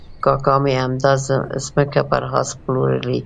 کاکا مې همدا ځمکه پر آس پلورلې وه.